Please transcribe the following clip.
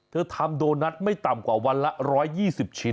ทำโดนัทไม่ต่ำกว่าวันละ๑๒๐ชิ้น